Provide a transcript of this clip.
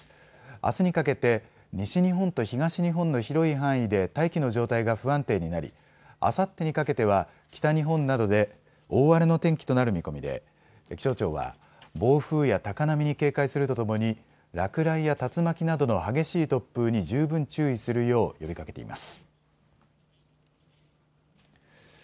あすにかけて西日本と東日本の広い範囲で大気の状態が不安定になりあさってにかけては北日本などで大荒れの天気となる見込みで気象庁は暴風や高波に警戒するとともに落雷や竜巻などの激しい突風に十分注意するよう呼びかけています。